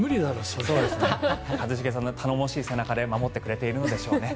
一茂さんが頼もしい背中で守ってくれているのでしょうね。